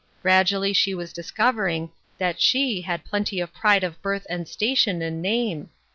Gradually she was discov ering that she had plenty of pride of birth and station and name.